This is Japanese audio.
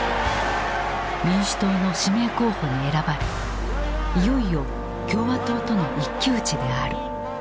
民主党の指名候補に選ばれいよいよ共和党との一騎打ちである。